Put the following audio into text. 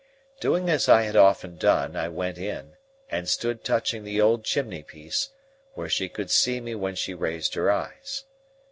Doing as I had often done, I went in, and stood touching the old chimney piece, where she could see me when she raised her eyes.